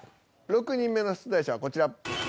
６人目の出題者はこちら。